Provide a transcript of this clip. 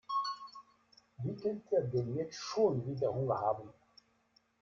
Wie könnt ihr denn jetzt schon wieder Hunger haben?